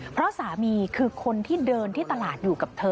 เพราะสามีคือคนที่เดินที่ตลาดอยู่กับเธอ